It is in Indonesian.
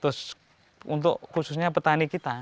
terus untuk khususnya petani kita